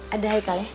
ada haikal ya